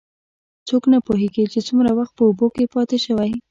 څوک نه پوهېږي، چې څومره وخت په اوبو کې پاتې شوی.